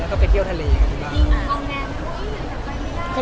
แล้วก็ไปเที่ยวทะเลกันที่บ้าน